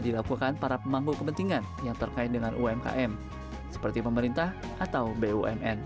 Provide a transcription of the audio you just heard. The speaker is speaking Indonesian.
itu memang kadang kita suka terlena seperti itu